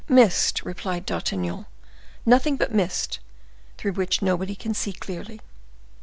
"Mist!" replied D'Artagnan; "nothing but mist, through which nobody can see clearly."